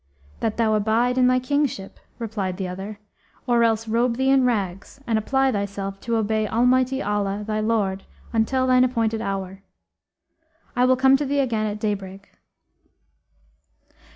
'That thou abide in thy kingship,' replied the other, 'or else robe thee in rags[FN#298] and apply thyself to obey Almighty Allah thy Lord until thine appointed hour. I will come to thee again at daybreak.'